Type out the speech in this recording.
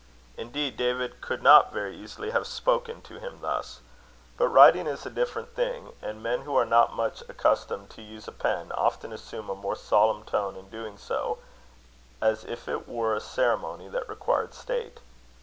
Indeed, David could not very easily have spoken to him thus. But writing is a different thing; and men who are not much accustomed to use a pen, often assume a more solemn tone in doing so, as if it were a ceremony that required state.